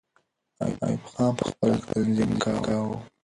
ایوب خان به خپل ځواک تنظیم کاوه.